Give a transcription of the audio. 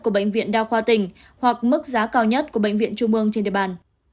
của bệnh viện đa khoa tỉnh hoặc mức giá cao nhất của bệnh viện trung mương trên địa bàn